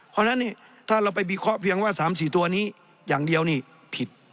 เพราะฉะนั้นถ้าเราไปวิเคราะห์เพียงว่า๓๔ตัวนี้อย่างเดียวนี่ผิด